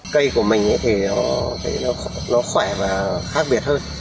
cây của mình thì nó khỏe và khác biệt hơn